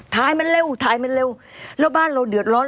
ถ่ายมันเร็วถ่ายมันเร็วแล้วบ้านเราเดือดร้อน